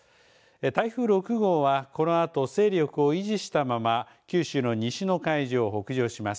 台風６号はこのあと勢力を維持したまま九州の西の海上を北上します。